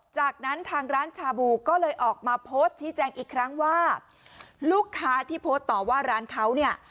จากนั้นทางร้านชาบูก็เลยออกมาโพสต์ชี้แจงอีกครั้งว่าลูกค้าที่โพสต์ต่อว่าร้านเขาเนี่ย